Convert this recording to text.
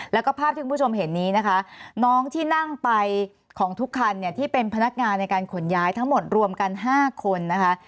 แล้วก็ภาพที่คุณผู้ชมเห็นนี้นะคะน้องที่นั่งไปของทุกคันเนี่ยที่เป็นพนักงานในการขนย้ายทั้งหมดรวมกัน๕คนนะคะ